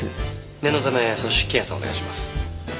念のため組織検査をお願いします。